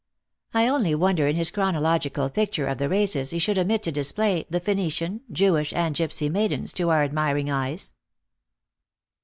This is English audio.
I only wonder that in his chron ological picture of the races he should omit to display the Phoenician, Jewish and Gipsy maidens to our ad miring eyes."